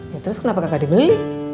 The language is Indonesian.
ya terus kenapa nggak dibeli